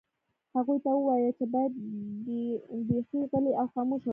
هغوی ته ووایه چې باید بیخي غلي او خاموشه واوسي